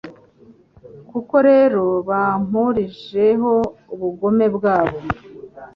Koko rero bampurijeho ubugome bwabo